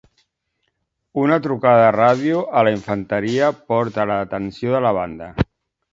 Una trucada de ràdio a la infanteria porta a la detenció de la banda.